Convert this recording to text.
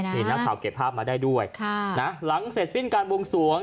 นี่นักข่าวเก็บภาพมาได้ด้วยหลังเสร็จสิ้นการบวงสวง